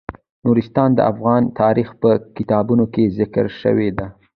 نورستان د افغان تاریخ په کتابونو کې ذکر شوی دي.